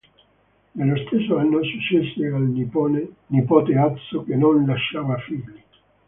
Nello stesso anno successe al nipote Azzo che non lasciava figli.